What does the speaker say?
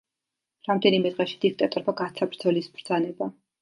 რამდენიმე დღეში დიქტატორმა გასცა ბრძოლის ბრძანება.